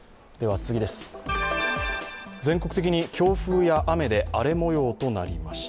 全国的に強風や雨で荒れ模様となりました。